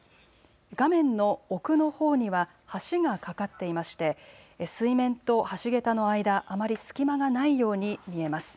画面の奥のほうには橋が架かっていまして水面と橋桁の間、あまり隙間がないように見えます。